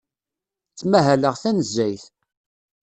Ttmahaleɣ tanezzayt.